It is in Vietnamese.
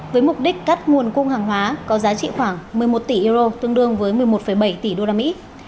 với mục đích cắt nguồn cung hàng hóa có giá trị khoảng một mươi một tỷ euro tương đương với một mươi một bảy tỷ đô la mỹ